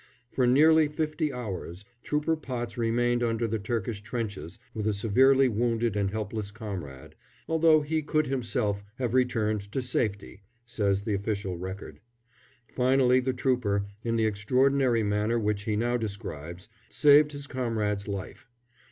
For nearly fifty hours Trooper Potts remained under the Turkish trenches with a severely wounded and helpless comrade, "although he could himself have returned to safety," says the official record. Finally the trooper, in the extraordinary manner which he now describes, saved his comrade's life.